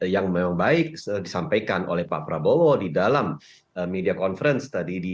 yang memang baik disampaikan oleh pak prabowo di dalam media conference tadi